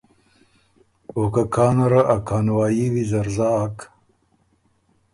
او که کانه ره ا کانوايي ویزر زاک